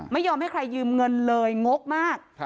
ไม่ยอมให้ใครยืมเงินเลยงกมาก